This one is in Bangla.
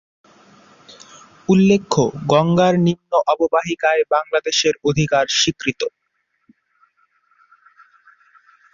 উল্লেখ্য, গঙ্গার নিম্ন অববাহিকায় বাংলাদেশের অধিকার স্বীকৃত।